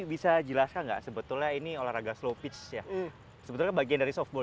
bisa jelaskan nggak sebetulnya ini olahraga slow pitch ya sebetulnya bagian dari softbal